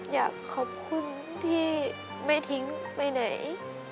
อยากขอบคุณที่ไม่ทิ้งไปไหน